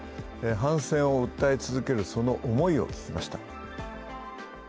反戦を訴え続けるその思いを聞きました。